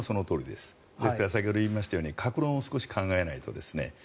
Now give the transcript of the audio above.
ですから先ほど言いましたように各論を少し考えないと。